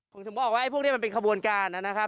ผมถึงบอกว่าไอ้พวกนี้มันเป็นขบวนการนะครับ